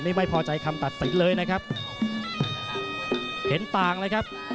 นี่ไม่พอใจคำตัดสินเลยนะครับเห็นต่างเลยครับ